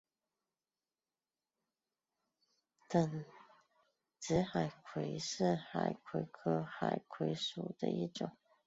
等指海葵是海葵科海葵属的一种。